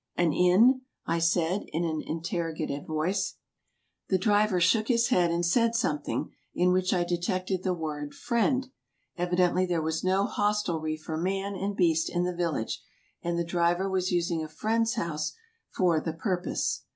*' An inn ?" I said, in an interrogative tone. The driver shook his head and said something, in which I detected the word "friend." Evidently there was no hostelry for man and beast in the village, and the driver was using a friend's house for the purpose.